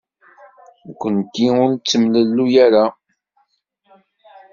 Nekkenti ur nettemlelluy ara.